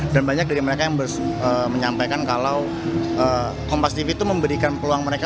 dan banyak dari mereka yang menyampaikan kalau kompastv itu memberikan peluang mereka